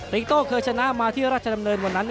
อีกโต้เคยชนะมาที่ราชดำเนินวันนั้น